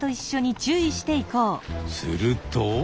すると。